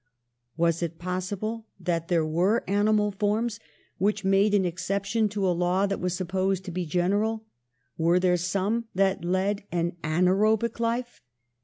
Was it possible that there were animal ON THE ROAD TO FAME 55 forms which made an exception to a law that was supposed to be general, were there some that led an anaerobic life (i.